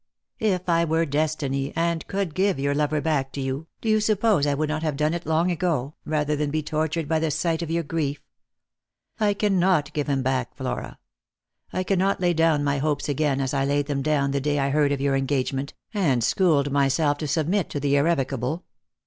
" If I were Destiny and could give your lover back to you, do you suppose I would not have done it long ago, rather than be tortured by the sight of your grief? I cannot give him back, Flora. I cannot lay down my hopes again as I laid them down the day I heard of your engagement, and schooled myself to submit to the irrevo cable.